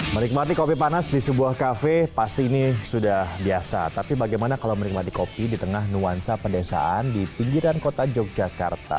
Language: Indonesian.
menikmati kopi panas di sebuah kafe pasti ini sudah biasa tapi bagaimana kalau menikmati kopi di tengah nuansa pedesaan di pinggiran kota yogyakarta